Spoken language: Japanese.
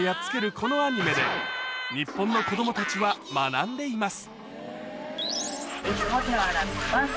このアニメで日本の子供たちは学んでいます